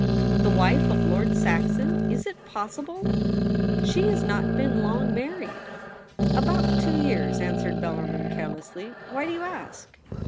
' The wife of Lord Saxon ! Is it possible ? She has not been long married T 'About two years,' answered Bellarmin care lessly. ' Why do you ask